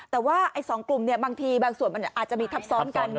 แต่ว่าสองกลุ่มบางทีแบบส่วนมันมีทับซ้อมกัน